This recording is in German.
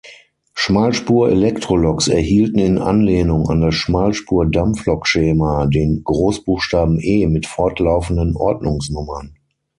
Schmalspur-Elektroloks erhielten in Anlehnung an das Schmalspur-Dampflokschema den Großbuchstaben „E“ mit fortlaufenden Ordnungsnummern.